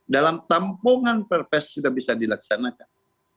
dalam tampungan perpres sudah bisa dilaksanakan